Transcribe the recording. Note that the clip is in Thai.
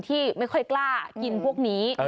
ที่ไม่ค่อยกล้ากินพวกนี้